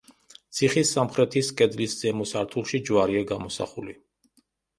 ციხის სამხრეთის კედლის ზემო სართულში ჯვარია გამოსახული.